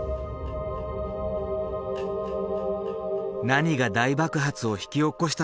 何が大爆発を引き起こしたのか？